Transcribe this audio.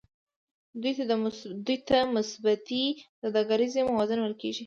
دې ته مثبته سوداګریزه موازنه ویل کېږي